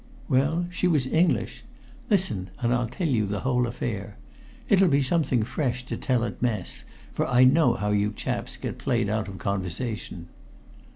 "Well, she was English. Listen, and I'll tell you the whole affair. It'll be something fresh to tell at mess, for I know how you chaps get played out of conversation."